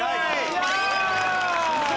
やった！